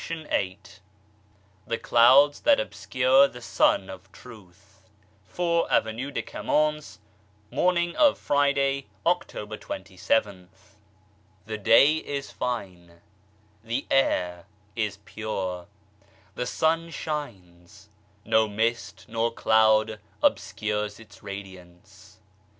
38 CLOUDS THE CLOUDS THAT OBSCURE THE SUN OF TRUTH 4, Avenue de Camoens, Morning of Friday, October 27th. 'T'HE day is fine, the air is pure, the sun shines, no * mist nor cloud obscures its radiance.